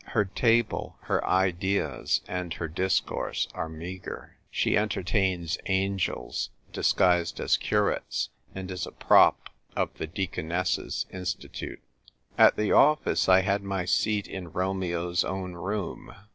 Her table, her ideas, and her discourse are meagre. She entertains angels, disguised as curates, and is a prop of the Deaconesses' Institute. At the office, I had my seat in Romeo's own room.